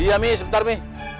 iya mi sebentar mi